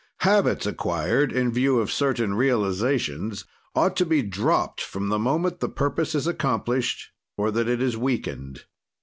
"Habits, acquired in view of certain realizations, ought to be dropt from the moment the purpose is accomplished, or that it is weakened."